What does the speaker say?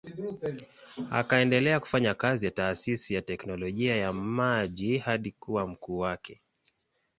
Akaendelea kufanya kazi ya taasisi ya teknolojia ya maji hadi kuwa mkuu wake.